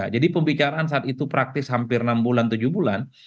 jadi pembicaraan saat itu praktis hampir enam bulan tujuh bulan